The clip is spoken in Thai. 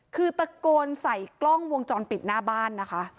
คือตะโกนใส่กล้องวงจรปิดหน้าบ้านนะคะ